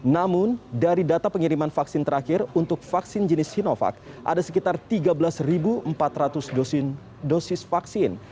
namun dari data pengiriman vaksin terakhir untuk vaksin jenis sinovac ada sekitar tiga belas empat ratus dosis vaksin